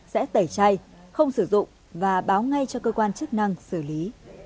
sẽ tẩy chay không sử dụng và báo ngay cho cơ quan chức năng xử lý